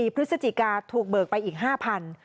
พฤศจิกาถูกเบิกไปอีก๕๐๐บาท